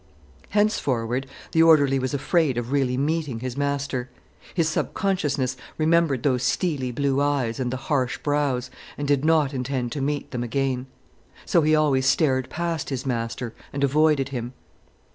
Henceforward the orderly was afraid of really meeting his master. His subconsciousness remembered those steely blue eyes and the harsh brows, and did not intend to meet them again. So he always stared past his master, and avoided him.